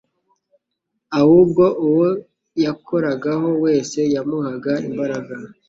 ahubwo uwo yakoragaho wese yamuhaga imbaraga